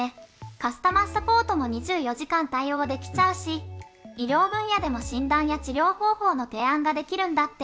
カスタマーサポートも２４時間対応できちゃうし医療分野でも診断や治療方法の提案ができるんだって！